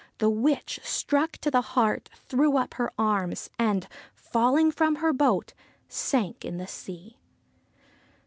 The witch, struck to the heart, threw up her arms, and, falling from her boat, sank in the sea.